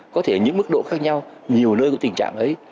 có thể ở những mức độ khác nhau nhiều nơi có tình trạng ấy